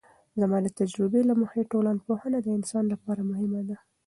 زما د تجربې له مخې ټولنپوهنه د انسان لپاره مهمه ده.